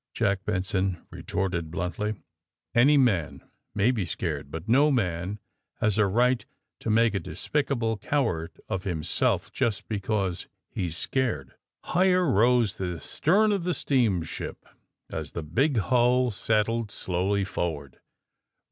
Jack Benson retorted bluntly. *^Any man may be seared, but no man has a right to make a despicable coward of himself just because he's scared." Higher rose the stern of the steamship as the big hull settled slowly forward.